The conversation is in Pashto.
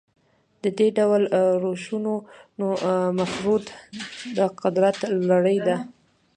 د دې ډول روشونو مفروض د قدرت لړۍ ده.